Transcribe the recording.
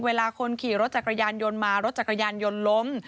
เวลาคนขี่รถจักรยานยนต์มารถจักรยานยนต์ล้ม